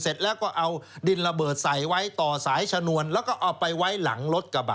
เสร็จแล้วก็เอาธุรกิจสายไว้หลังรถเกาะต่อสายชนวน